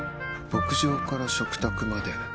牧場から食卓まで。